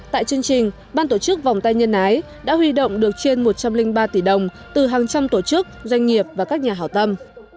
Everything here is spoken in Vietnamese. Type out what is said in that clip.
tại chương trình ban tổ chức vòng tay nhân ái đã huy động được trên một trăm linh ba tỷ đồng từ hàng trăm tổ chức doanh nghiệp và các nhà hảo tâm